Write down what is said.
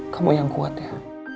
kamu yang kuat ya